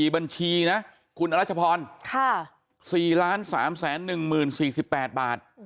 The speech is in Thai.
๔บัญชีนะคุณอรัชพรค่ะ๔ล้าน๓แสน๑หมื่น๔๘บาท